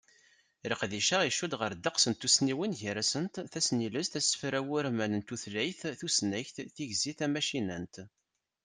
Leqdic-a, icudd ɣer ddeqs n tussniwin gar-asent: Tasnilest, asefser awurman n tultayt, tusnakt, tigzi tamacinant.